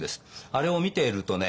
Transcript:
あれを見ているとね